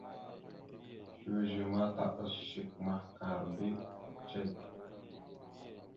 Slʉze ma taɓas shek mahəkar bi ufaɗ cek.